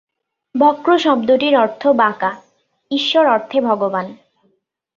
বক্র শব্দটির অর্থ বাঁকা; ঈশ্বর অর্থে ভগবান।